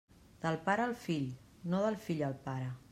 Del pare al fill, no del fill al pare.